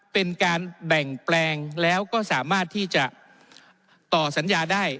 เป็นการแบ่งแปลงแล้วก็สามารถที่จะต่อสัญญาได้